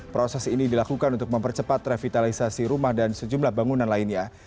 proses ini dilakukan untuk mempercepat revitalisasi rumah dan sejumlah bangunan lainnya